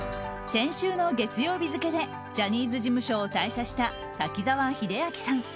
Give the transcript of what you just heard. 先週の月曜日付でジャニーズ事務所を退社した滝沢秀明さん。